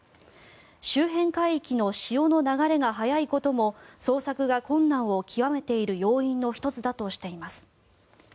周辺海域の潮の流れが速いことも捜索が困難を極めている要因の１つだとしています。